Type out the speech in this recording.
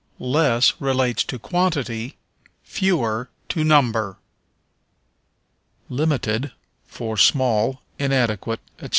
Less relates to quantity, fewer, to number. Limited for Small, Inadequate, etc.